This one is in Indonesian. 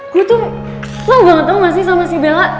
gue tuh lo ga ketau ga sih sama si bella